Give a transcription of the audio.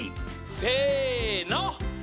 せの！